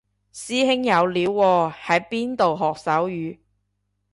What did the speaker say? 師兄有料喎喺邊度學手語